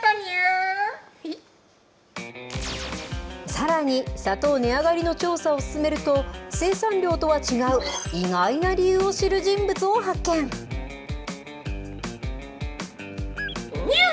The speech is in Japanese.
さらに砂糖値上がりの調査を進めると生産量とは違う意外な理由を知る人物を発見。にゅ。